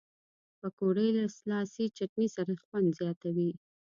پکورې له لاسي چټني سره خوند زیاتوي